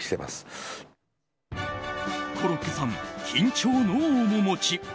コロッケさん、緊張の面持ち。